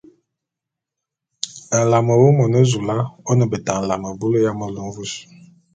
Nlame wu, Monezoula, ô ne beta nlame bulu ya melu mvus.